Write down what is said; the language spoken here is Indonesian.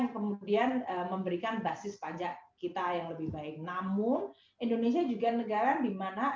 kemudian memberikan basis pajak kita yang lebih baik namun indonesia juga negara dimana